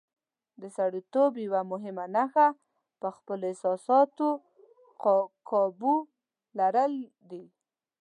د سړیتوب یوه مهمه نښه په خپلو احساساتو قابو لرل دي.